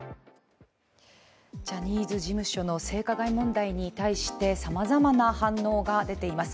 ジャニーズ事務所の性加害問題に対してさまざまな反応が出ています。